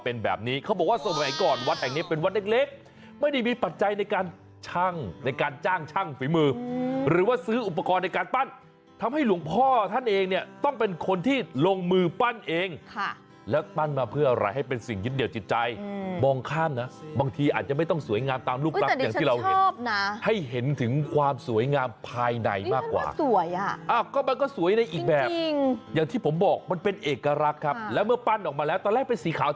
เป็นวัดเล็กไม่ได้มีปัจจัยในการช่างในการจ้างช่างฝีมือหรือว่าซื้ออุปกรณ์ในการปั้นทำให้หลวงพ่อท่านเองเนี่ยต้องเป็นคนที่ลงมือปั้นเองแล้วปั้นมาเพื่ออะไรให้เป็นสิ่งยิดเดี่ยวจิตใจมองข้ามนะบางทีอาจจะไม่ต้องสวยงามตามลูกลักษณ์อย่างที่เราเห็นให้เห็นถึงความสวยงามภายในมากกว่าอ่ะก็มันก